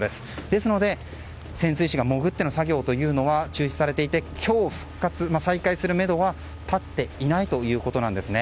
ですので潜水士が潜っての作業は中止されていて今日、再開するめどは立っていないということです。